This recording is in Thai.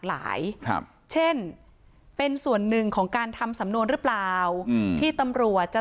หลายครับเช่นเป็นส่วนหนึ่งของการทำสำนวนหรือเปล่าอืมที่ตำรวจจะ